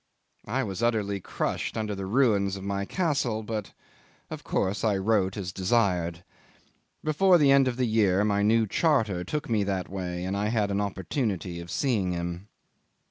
I was utterly crushed under the ruins of my castle, but of course I wrote as desired. Before the end of the year my new charter took me that way, and I had an opportunity of seeing him.